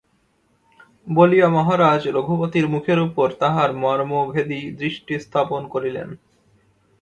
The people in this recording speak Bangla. বলিয়া মহারাজ রঘুপতির মুখের উপর তাঁহার মর্মভেদী দৃষ্টি স্থাপন করিলেন।